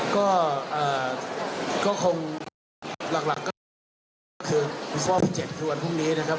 ก็เอ่อก็คงหลักหลักก็คือวันพรุ่งนี้นะครับ